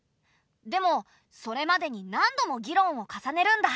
でもそれまでに何度も議論を重ねるんだ。